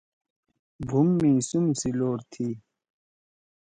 بُھوم می سُم سی لوڈ تھی۔